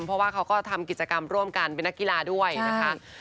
เพราะว่าเขาก็ทำกิจกรรมร่วมกันเป็นนักกีฬาด้วยนะคะ